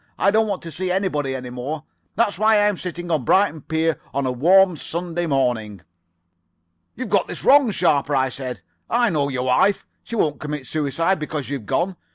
I don't want to see anybody any more. That's why I'm sitting on Brighton pier on a warm Sunday morning.' "'You've got this wrong, Sharper,' I said. 'I know your wife. She won't commit suicide because you've gone.